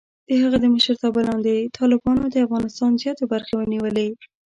د هغه د مشرتابه لاندې، طالبانو د افغانستان زیاتې برخې ونیولې.